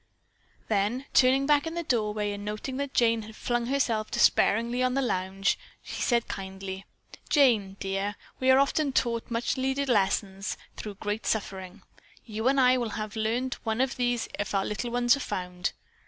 Then turning back in the doorway and noting that Jane had flung herself despairingly on the lounge, he said kindly: "Jane, dear, we often are taught much needed lessons through great suffering. You and I will each have learned one of these if our little ones are found."